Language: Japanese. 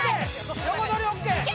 横取りＯＫ